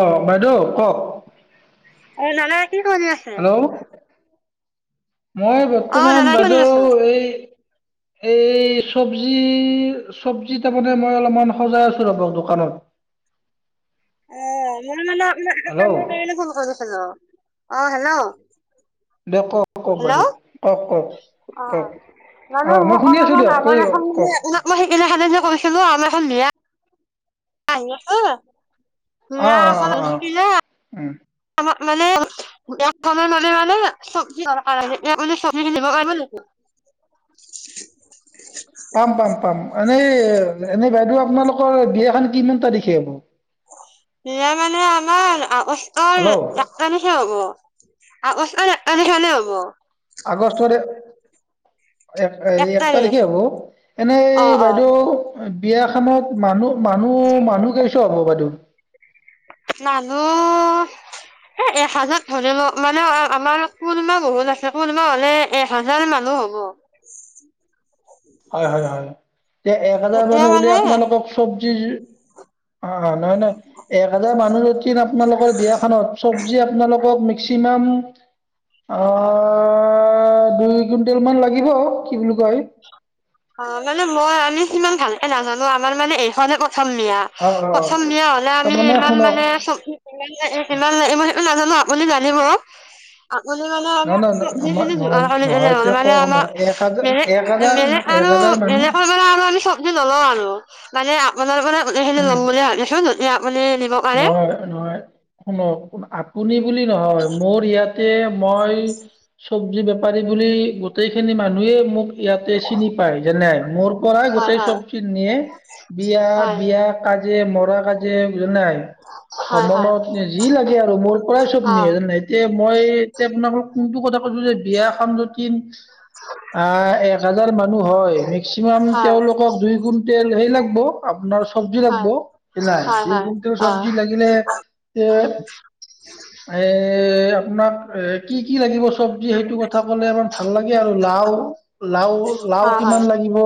অ বাইদেউ ক'ক নানা কি কলি আছে? মই অ বত্তমান নানা কি কৰি বাইদেউ আছে? এই এই চব্জি, চবজি তামানে মই অলপমান সজাই আছো ৰবক দকানত। অ মোৰ মানে [unintelligible] কামৰ কাৰণে ফোন কৰিছিলো, অ হেলৌ দিয়ক কওক কওক হেলৌ, বাইদেউ কওক কওক অ, কওক মানো অঁ মই মোক শুনি আছোঁ অনলাইনত দিয়ক কৈ [unintelligible] এখন বুলি কওক [unintelligible] কৈছিলো আনু এখন মিয়া আহি আছো ল অঁ অঁ মিঞাখন অঁ অঁ থাকিলে আ, আমাৰ মানেয় মানে মানে চব্জিাৰ কাৰণে মানে চব্জি কিনিব কাৰিব লাগিব পাম পাম পাম এনে এনেই বাইদেউ আপোনালোকৰ বিয়াখন কিমান তাৰিখে হ'ব নাৰ মানে আমাৰ হেল্ল' অসাক্তানহে হ'ব আনেশনে হ'ব আগষ্টৰে এক একটা দেখি হবো অ এনেই অ বাইদেউ বিয়াখনত মানুহ মানুহ মানুহ কেেইছো হ'ব বাইদেউ। মানুহ এ এক হাজাৰ ধৰি লও মানে আমাৰ কুলমা বহুত আছে কুলমা হলে এ হাজাৰ মানুহ হ'ব। হয় হয়- হয়, এতিয়া এক হাজাৰ এতিয়া মানুহ যদি মানে আপোনালোকক চব উম্ অ' নহয়- নহয়, এক হাজাৰ মানুহ আপোনালোকৰ বিয়াখনত চব্জি আপোনালোকক মেক্সিমাম আ, দুই কুইন্টেল মান লাগিব কি বুলি কয়। অ' মানে মই আমি সিমান ভালে নাজানো, আমাৰ মানে এইখনে ক প্ৰথম বিয়া, অঁ অঁ প্ৰথম বিয়া হ'লে আমি তাৰমানে ইমান শুনক মানে ইমান মই সেইটো নাজানো আপুনি জানিব বুলি মানে নহয় আমাৰ নহয় নহয় চবজিখিনি নহয় নহয় হ'ল এতিয়া মানে কওঁ শুনক আমাৰ এক হাজাৰ মেলে এক হাজাৰ মেলে এক আৰু হাজাৰ মানুহ এনেকৈ কলে আৰু আমি চব্জি নলও আৰু। মানে আপোনাৰ পৰা গোটেইখিনি উম ল'ম বুলি ভাবিছিলোঁ নহয়- নহয় শুনক আপুনি বুলি নহয় মোৰ ইয়াত মই চব্জি বেপাৰী বুলি গোটেই খিনি মানুহেই মোক ইয়াতে চিনি পায় যেনে মোৰ কৰা হয় গোটেই হয়। চব চি নিয়ে, বিয়া- হয় বিয়া কাজে মৰা কাজে নাই হয় হয় হবনত যি লাগে আৰু মোৰ পৰাই চব অ নিয়ে, এতিয়া মই এতিয়া মানে আপোনাক [unintelligible] যে বিয়াখন যদি আহ এক হাজাৰ মানুহ হয়, মেক্সিমাম হয় তেওঁলোকক দুই কুইণ্টেল সেই লাগব আপোনাৰ চবজি হয় লাগব, হয় হয় [unintelligible] অ চব্জি লাগিলে এ আপোনাক এ কি- কি লাগিব চবজি সেইটো কথা ক'লে আমাৰ ভাল লাগে আৰু লাও লাও- হয় লাও হয় কিমান লাগিব,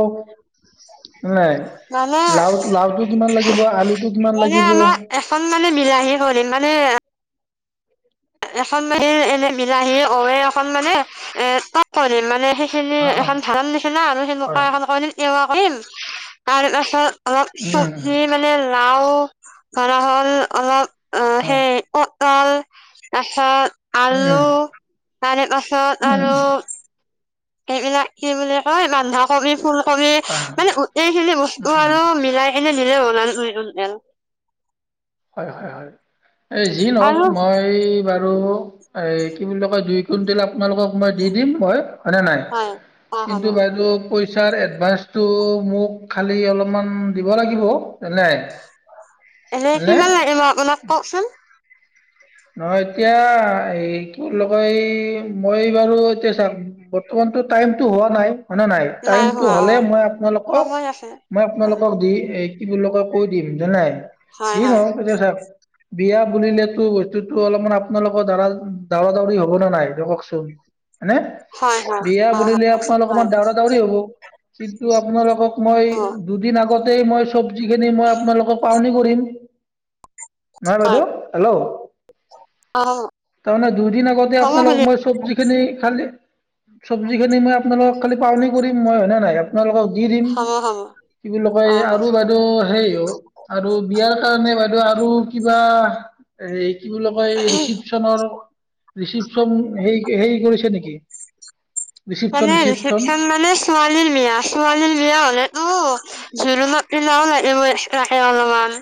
নাই মানে লা লাওতটো কিমান লাগিব আলুটো কিমান মানে লাগিব। আমাৰ এখন মানে বিলাহী কৰিম মানে এখন মানে এনে বিলাহী অৱে এখন মানে এ তক কৰি মানে খিনি অ এখন [unintelligible] নিচিনা আৰু সেনেকুৱা হয় এখন ক তেওঁ কৰিম, তাৰপাছত অলপ উম চৱজি মানে লাও ধৰা হ'ল অলপ অ' উম হে অ [unintelligible] আছাৰ আলু উম তাৰে পাছত উম আৰু এইবিলাক কি বুলিো কয় বানধাকবি ফুল কম হয় মানেো এইেই খিনি উম বস্তু উম আৰু মিলাই এনে ল হয় হয় হয় এ যি নওক আৰু মই আৰু এ কি বুলি কয় দুই কুইণ্টেল আপোনালোকক মই দি দিম মই হয়ানে নাই হয় অ হ'ব কিন্তু বাইদেউ [inaudible] এনে কিমান নে লাগে ম আপোনাক কওকচোন নহ এতিয়া এই কি লগয় এই মই বাৰু এতিয়া বৰ্তমানতো টাইমতটো হোৱা নাই হয় নে নাই টাইমটো হোৱা অ হ'লে মই আপোনালোকক সময় আছে মই অ আপোনালোকক দি কি বুলি লগা কৈ দিম জানাই হয় যি হয় নহ পজ চব বিয়া বুলিলেতো এইো অলপমান আপোনালোকৰ দা দৰা দাউৰি হব নাই কওকচোন হনেে হয় হয় বিয়া অ বুলিলে আপোনালোক অকমান হয় দউৰা দাউৰি হ'ব কিন্তু আপোনালোকক মই হয় দুদিন আগত মই চব্জি কিনি মই আপোনালোকক পাওনি কৰিম নাই বদু হয় হেল্ল' অ তাৰমানে দুইদিন আগতে হ'ব আপোনালোক খুৰী মই চব্জি খিনি খাল উ চব্জিখিনি মইপালোকক খালি পালনি কৰিম মই হয় ননে ন ইয়াত আপোনালোকক দি দিম হ'ব হ'ব কি বুলি কয় অ হয় আৰু বাইদেউ সেই আৰু বিয়াৰ কাৰণে বাইদেউ আৰু কিবা এ কি বুলিো কয় ৰিচিপ্যনৰ ৰিচিপচন হে হেৰি কৰিছে নেকি ৰিচিপশ্যন মানেচ ৰিচিপশ্যন মানে ছোৱালীৰ মিয় ছোৱালীৰ বিয়া হলে অ জোৰোণত পনাাও লাগিবইাকে অলপমান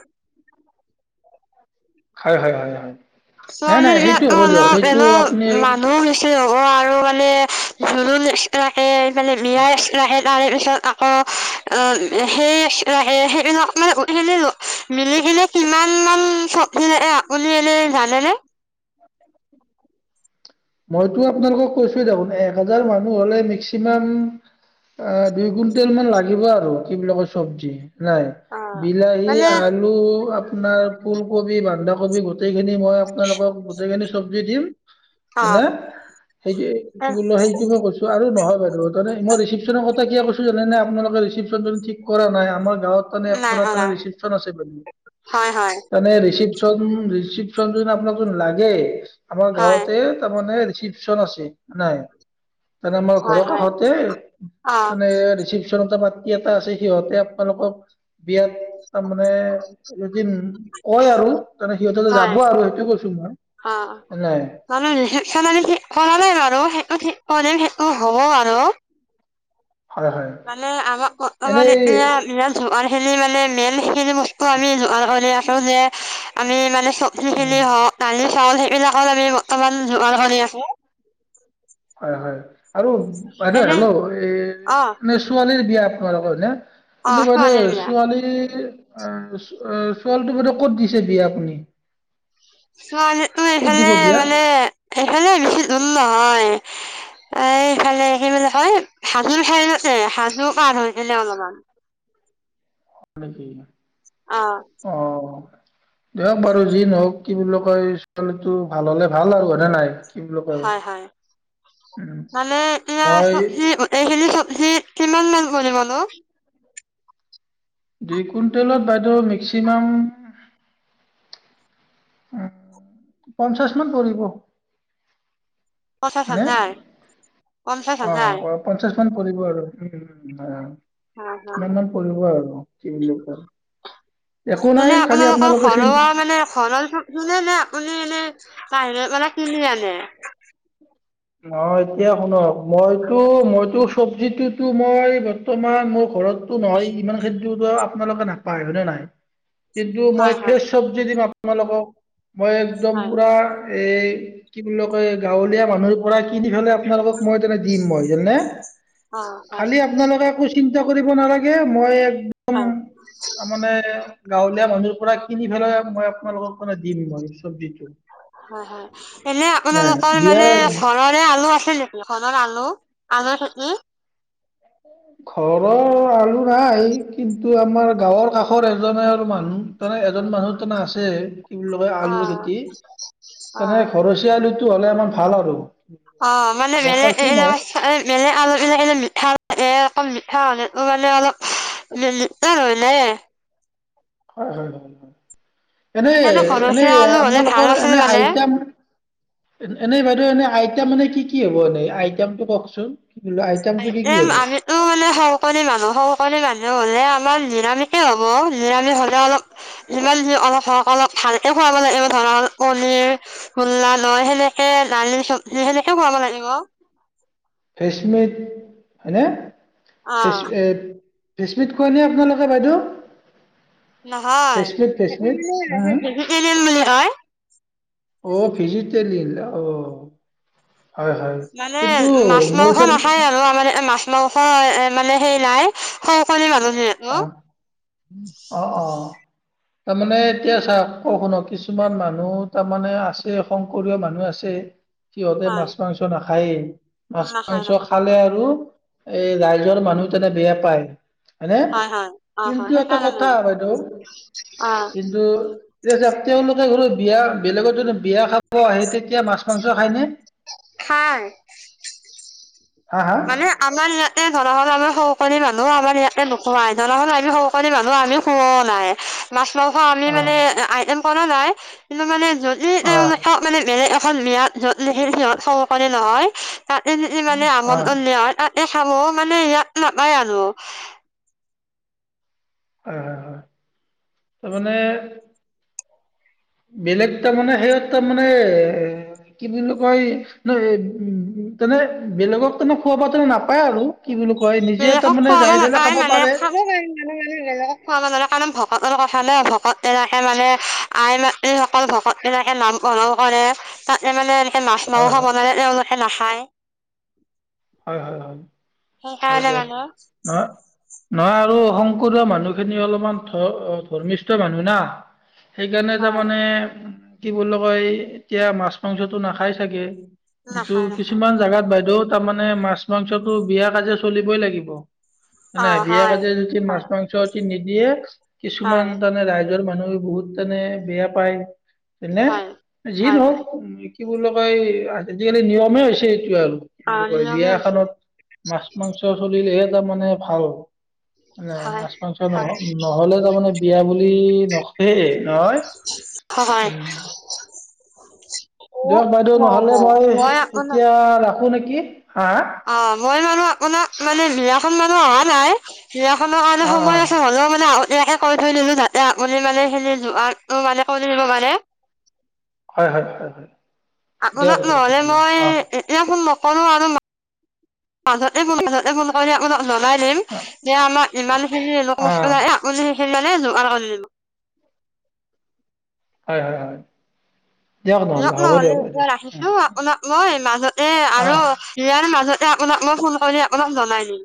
হয় হয় হয় হয় নাই ছোৱালী নাই সেইটো বিিলাকো হ'ব অল দিয়ক সেইটো এনে আপুনি মানুহ বেছি হ'ব আৰু মানে ধুলণ একখে মানে বিয়াইচিনে তাৰে পিছত আকৌ অ সেই সেইকমান উি মিলি কিি কিমান মান চব্জি লাগে আপুনি এনে হ ন মইতো আপোনালোকক কৈছোে দেখোন এক হাজাৰ মানুহ হলে মেক্সিমাম দুই কুইণ্টেল মান লাগিব আৰু কি বুলি ক চব্জি নাই অ বিলাহী মানে আলু আপোনাৰ ফুলকবি বানদ অভি গোটেইখিনি মই আপোনালোকক গোটেইখিনি চব্জি দিম অ হানে সেইটো কি বোলো সেইটো মই কৈছো আৰু নহয় বাৰু তে মই ৰিচিপচন কথা কৈছ জান নে আোনালোকে ি ঠ কৰা নাই আমাৰ গাঁত নাই অনা চপন হয় হয় আছোনেপ চিপ্যন যদি আপোনাকোন লাগে আমাৰ হয় গাঁৱতে মানেচপচন আছে নাই তে আমাৰ হয় ঘৰৰ হয় কাষতে অ তানে ৰিচিপ্যনটা মাত এটা আছে সিহঁতে আপোনালোকৰ বিয়াত তাৰ মমানে যদি কয় আৰু তাৰ সিহঁতে হয় যাব আৰু সেইটো কৈছো মই নাই সালি ঠিক কৰা নাই বাৰু সেইটো ঠিক কৰিম সেইটো হ'ব বাৰু হয় হয় মানে আমাক বৰ্তমান এনেই এতিয়া য খেলি মানে বেলি স আমি আছো যে আমি মানে সপ পি উম নালি চাউল সেইবিলাকৰ আমি বৰ্তমান যোগাৰ কৰি আখো হয় হয় আৰু বাইদেউ এনেই হেল্ল' এই অঁ নে ছোৱালীৰ বিয়া ত ক ন অঁ কিন্তু বাইদেউ ছোৱালীৰ বিয়া চুৱান আহ ছোৱালটো বদে ক'ত দিছে বিয়া আপুনি ছোৱালীো ক'ত দিব এইফালে বিয়া হয় মানে এইফালে বেছি ভুল নহয় এইফালে কি বুলিোলে কয় সাজো খাইতে হাজো পাৰ হৈছিলে অলপমান স কি অঁ অ দিয়ক বাৰু যি নহওক কি বুলি কয় ছোৱালীটো ভাল হলে ভাল আৰু হনে নাই বুলি কয় হয় হয় উম মানে এয়া মই চবি এইখিনি চ সি কিমান মান কৰিব নো দুই কুইণ্টেলত বাইদেউ মেক্সিমাম উ পঞ্চাশ মান পৰিব পঞ্চাছ নে হাজাৰ, পঞ্চাশ হাজাৰ। পান কৰিব আৰু উ, হয় হয় ইমানমান পৰিঢ়িব আৰু। কি লোকৰ। মানে আপোনালোকৰ ঘৰুৱা মানে ঘৰৰ চবজী মানে নে আপুনি এনে বাহিৰে মানে কিনি আনে? অ এতিয়া শুনক মইতো মইতো চব্জিটোতো মই বৰ্তমান মোৰ ঘৰত নহয়। ইমান খে আপোনালোকে নাপায় হয়নে নাই। কিন্তু মই হয় হয় ফ্ৰেছ চব্জি দিম। তোমালোকক মই একদম হয় পূৰা এই কি বুলি কয় গাঁৱলীয়া মানুহ। পৰাই, কিনি ফেলে আপোনালোকক মই দিম মইনে অ হয় খালি আপোনালোকে একো চিন্তা ই কৰিব নালাগে মই এক একদম হয় তাৰ মমানে গাঁৱলীয়া মানুহৰ পৰা। কিনি পেলাই মই। আপোনালোকক কনে দিম মই চবজিটো হয় হয়। এনে নাই আপোনালোকৰ মানে বিয়াৰ। ঘৰৰে আলু আছিল নেকি ঘনৰ আলু-আলু খেতি ঘৰৰ আলু নাই কিন্তু আমাৰ গাঁৱৰ কাষৰ এজনে আৰু মানুহ। তমানে এজন মানুহ তাৰমানে আছে কি বুলি কয় অ আলুৰ খেতি অ তেনে ঘৰচীয়া আলু। টো হ'লে আমাৰ ভাল আৰু। অ মানে গম মেলে পাইছো এই মই মেলে আলু বিলাক এই মিঠা। এ মিঠা মানে অলুপিলে [unintelligible] হয়-হয়-হয়-হয়। সেইকাৰণে এনেই-এনেই ঘৰচীয়া আলু হ'লে ভাল আপোনালোকৰ আছিল এনে মানে। আইটেম। এনেই বাইদেউ এনে আইতেম মানে কি-কি হ'ব এনে আইতামটো কওকচোন। কি বোলে আইটেমটো কি কি আইটেম হ'ব মানে শংকৰী মানুহ শংকৰী মানুহ হলে। আমাৰ নিৰামষে হ'ব নিৰামিষ হ'লে অলপ যিমান য অলপ হওঁক অলপ ভালকে খুৱাব লাগিব ধৰ পনীৰ মূললা নৈ সেনেকে দালি চবজি সেনেকে খুৱাব লাগিব। ফেচমিট হয়নে। ফেচ এ বিস্মিত খোৱা নে আপোনালোকে বাইদেউ। নহয় ভেজমিট ভেজমিট এ এল হয় [unintelligible] অ ভেজিতেলিল অ, মানে মাছ মাৰস নাখায় আৰু আমাৰ মাছ মাৰস হয় এ মানে সেই নাই সৰু কি মানুহ যিহেতু আহ অ অ তাৰমানে এতিয়া চাও ক শুনক কিছুমান মানুহ তাৰমানে আছে শকৰীয় মানুহ আছে সিহঁতে হয় মাছ মাংস নাে হয়ে মাছ নাখায় মাংস নাখায় খালে আৰু এই ৰাইজৰ হয় মানুহ তেনে বেয়া পায় হনেে হয় হয়, অ হয় কিন্তু এটা সেইকাৰণে কথা বাইদেউ অ কিন্তু এতি তেওঁলোকে ঘৰু বিয়া বেলেগত যদি বিয়া খাব আহে তেতিয়া মাছ মাংস খায়নে খা হা হা মানে আমাৰ ইয়াতে ধৰা হৰ আমাৰ সকলি মানুহ আমাৰ কে নোখুৱাই ননাখন আমি সকল মানুহ আমি খোাও নাই মাছ আমি অ অ মানে আইটেম খ নাই কিন্তু মানে যদি অ হয় ক মেলে মে অসমন্ীয়াতঁত স সিহঁত সমকণে নহয় মানে আমাৰ হয় তাতে খাব মানে ইয়াত নাপায় আৰু হয় হয় হয় তাৰ মমানে বেলেগ তাৰ মমানে সেই তাৰ মানে কি বুলি কয় উনেে বেলেগক তান খোৱা ব নাপায় আৰু কি বুলি কয় নিজে বেলেগক তাৰমানে খোৱাব যাই পেলাই নাপায় খাব মানে পাৰে খাব পিম মানে মানে বেলেগক খুৱাব নালে কাৰণ ভ ভকতৰ কথা ন ভকত এনেকে মানে আই মাতৃসকল ভকত এনেকে নামকৰণ কৰে তাতে মানে মাছ হয় মাংস হয় বনালে তেওঁলোকে নাখায় [inaudible] হয় হয় হয় উ ক হয় দিয়ক জানান নহয় নহয় আৰু শংকৰদীয় মানুহখিনি অলপমান ধ ধৰ্মিষ্ঠ মানুহ না সেইকাৰণে হয়, তাৰমানমানে কি বুলি কয় এতিয়া মাছ মাংসতটো নাখাই চাগে কিন্তু নাখায় নাখায়। কিছুমান জোগাত বাইদেউ কাম মানে মাছ মাংসটো বিয় কাজে চলিবই লাগিব মানে অ', বিেক হয়, আজে যদি মাছ হয়, মাংস নিদিয়ে কিছুমান হয়, তমানে ৰাইজৰ মানুহ বহুত মানে বেয়া পায় তেনে হয়, যি হয়, হয়। নহওক কি বুলি কয় আজিকালি নিয়মে হৈছে কি আৰু অ', নিয়মে বিয়া হৈছে, এখনত মাছ মাংস সেই এটা মানে ভাল নাই হয়, মাছ মাংস নহ হয়, নহ'লে তাৰমানে বিয়া বুলি [unintelligible] সেই নহয়, হয়। উম [unintelligible] দিয়ক বাইদেউ নাই নহ'লে নাই মই এতিয়া ৰাখো নেকি। হা হা অহ মই মানো আপোনাক মানে বিয়া এখন মানে আহা নাই বিয়াখনৰ কাৰণে অ' সময় অ' আছে হ'লেও মানে আগতিয়াকে কৈ থৈ দিলো যাতে আপুনি মানে সেই যোগাৰটো মানে কৰি দিব পাৰে হয় হয় হয় হয় দিয়ক আপোনাক দিয়ক নহ'লে মই অ' এতিয়া ফোন নকৰো কৰো আৰু মাজতে ফোন কৰি আপোনাক জনাই দিম যে আমাৰ ইমানখিনি‌ অ' অ [unintelligible] নাই আপুনি সিমানে যোগাৰ কৰি দিম হয় হয় হয় দিয়ক নহ'লে একবাৰ আহিছো আপোনাক মই মাজতে এ অ' আৰু অ' বিয়াৰ মাজত এ আপোনাক মই ফোন কৰি আপোনাক জনাই দিম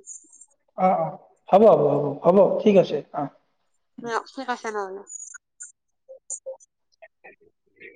অহ অহ হ'ব হ'ব হ'ব হ'ব ঠিক আছে অহ [unintelligible] কৈছে নহ'ল [unintelligible]